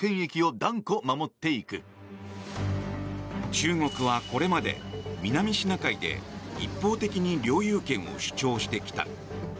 中国はこれまで南シナ海で一方的に領有権を主張してきた。